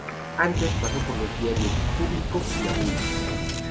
Antes, pasó por los diarios "Público" y "Avui".